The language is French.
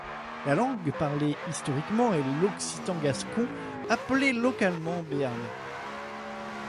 La langue parlée historiquement est l'occitan-gascon appelé localement béarnais.